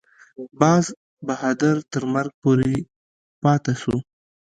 باز بهادر تر مرګه پورې پاته شو.